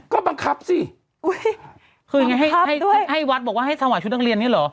ก็บังคับสิบังคับด้วยอุ๊ยคือยังไงให้วัดบอกว่าให้ทะวัดชุดดังเรียนนี่เหรอ